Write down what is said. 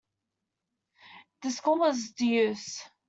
The score is deuce.